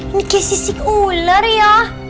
ini kayak sisik ular ya